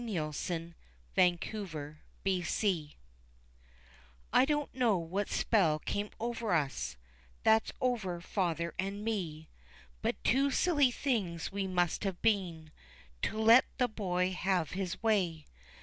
Elspeth's Daughter in law I don't know what spell came over us, That's over father and me, But two silly things we must have been To let the boy have his way.